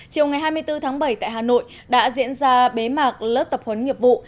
chiều ngày hai mươi bốn tháng bảy tại hà nội đã diễn ra bế mạc lớp tập huấn nghiệp vụ